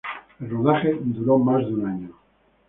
El rodaje duró más de un año.